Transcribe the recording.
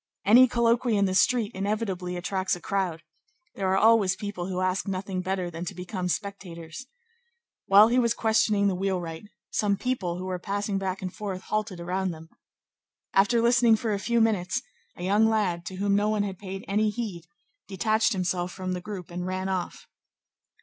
Any colloquy in the street inevitably attracts a crowd. There are always people who ask nothing better than to become spectators. While he was questioning the wheelwright, some people who were passing back and forth halted around them. After listening for a few minutes, a young lad, to whom no one had paid any heed, detached himself from the group and ran off.